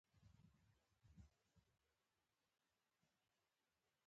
زه د شپې درس ویل غوره ګڼم.